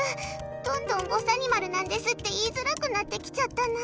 どんどんぼさにまるなんですって言いづらくなってきちゃったな。